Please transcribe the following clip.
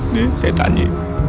nih saya tanya